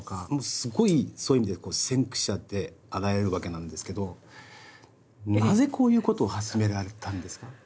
すごいそういう意味でこう先駆者であられるわけなんですけどなぜこういうことを始められたんですか？